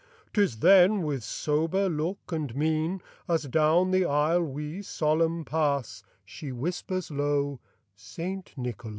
Tis then with sober look, and mein, As down the aisle we, solemn, pass, She whispers low, 'St. Nicholas.